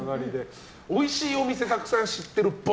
おいしいお店たくさん知ってるっぽい。